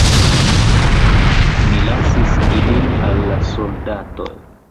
Mi lasis ilin al la soldatoj.